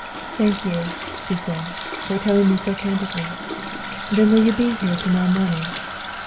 "Thank you," she said, "for telling me so candidly. Then will you be here to morrow morning?"